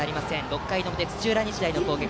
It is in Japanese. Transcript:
６回の表、土浦日大の攻撃。